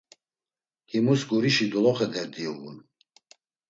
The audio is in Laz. Himus gurişi doloxe derdi uğun.